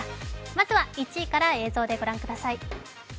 まずは１位から映像でご覧ください。